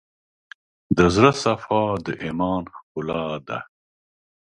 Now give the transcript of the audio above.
د زړه صفا، د ایمان ښکلا ده.